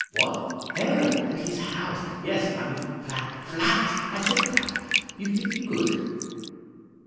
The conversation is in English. What? Oh! At his house. Yes. I mean flat. Flat! I said flat. You think you could?"